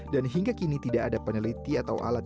dan hingga kini tidak ada peneliti atau alat